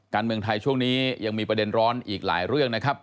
การเมืองไทยช่วงนี้ยังมีประเด็นร้อนอีกหลายเรื่องนะครับ